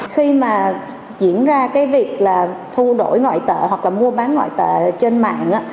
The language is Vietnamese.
khi mà diễn ra việc thu đổi ngoại tệ hoặc mua bán ngoại tệ trên mạng